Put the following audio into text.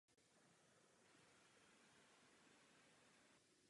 Původně na území této zaniklé obce byly rybníky čtyři.